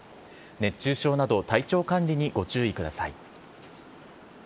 熱中症など体調管理にご注意ください。